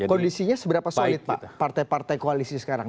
kondisinya seberapa solid pak partai partai koalisi sekarang